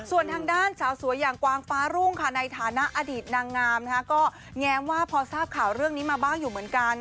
ส่วนทางด้านสาวสวยอย่างกวางฟ้ารุ่งค่ะในฐานะอดีตนางงามก็แง้มว่าพอทราบข่าวเรื่องนี้มาบ้างอยู่เหมือนกัน